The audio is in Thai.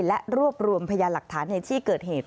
และรวบรวมพยานหลักฐานในที่เกิดเหตุ